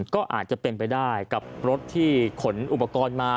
ก็อาจจะเป็นไปได้กับรถที่ขนอุปกรณ์มา